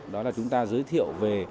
đó là chúng ta giới thiệu về